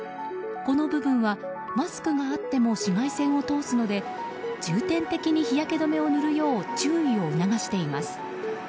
この部分はマスクがあっても紫外線を通すので重点的に日焼け止めを塗るよう注意を促しています。